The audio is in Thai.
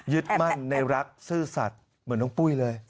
ยึดมั่นในรักซื่อสัตว์เหมือนน้องปุ้ยเลย